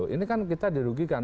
ini kan kita dirugikan